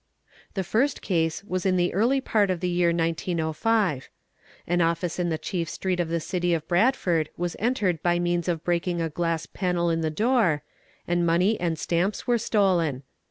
The first case was in the early part of the year 1905. An office in the chief street of the city of Bradford was entered by means of breaking a glass panel in the door, and money and stamps were stolen.